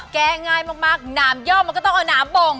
แก้ง่ายมากน้ำย่อมมันก็ต้องเอาน้ำบ่ง